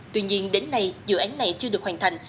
tuy nhiên đến nay dự án này chưa được hoàn thành